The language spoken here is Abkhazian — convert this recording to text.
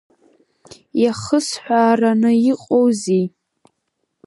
Иахысҳәаараны иҟоузеи?